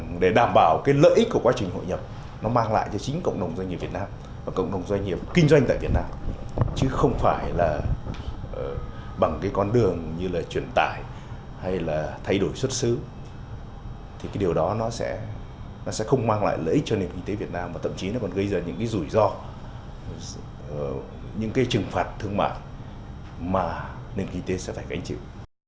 việt nam cũng sẽ phải đối mặt với không ít những thách thức về phía thương mại việc dễ dàng cho hàng hoá việt tiếp cận thị trường eu cũng bị đánh đổi bằng việc đối mặt với một nguồn nguồn kinh doanh vật liệu việt nam và cộng đồng doanh nghiệp kinh doanh tại việt nam chứ không phải bằng con đường như là chuyển tải hay là thay đổi xuất xứ điều đó nó sẽ không mang lại lợi ích cho nền kinh tế việt nam mà thậm chí nó còn gây ra những rủi ro những trừng phạt thương mại mà nền kinh tế sẽ phải gánh chịu